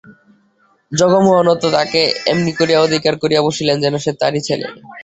জগমোহনও তাকে এমনি করিয়া অধিকার করিয়া বসিলেন যেন সে তাঁরই ছেলে।